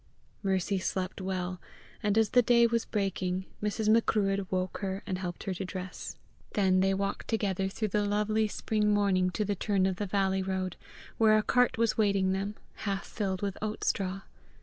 Mercy slept well, and as the day was breaking Mrs. Macruadh woke her and helped her to dress. Then they walked together through the lovely spring morning to the turn of the valley road, where a cart was waiting them, half filled with oat straw.